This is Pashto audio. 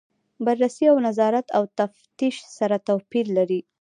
بررسي او نظارت او تفتیش سره توپیر لري.